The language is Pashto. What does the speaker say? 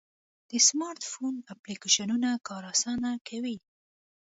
د سمارټ فون اپلیکیشنونه کار آسانه کوي.